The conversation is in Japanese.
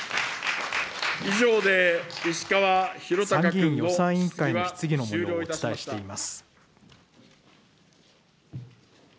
参議院予算委員会の質疑のもようをお伝えしています。